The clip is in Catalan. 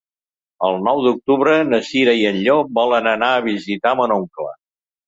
El nou d'octubre na Cira i en Llop volen anar a visitar mon oncle.